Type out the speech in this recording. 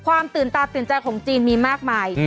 ความตื่นตาตื่นใจของจีนมีมากมาย